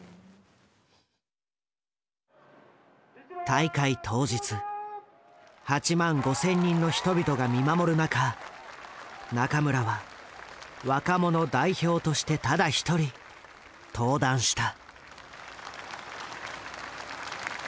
大会当日８万５，０００人の人々が見守る中仲村は若者代表としてただ一人登壇した。